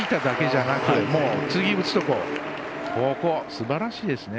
すばらしいですよね。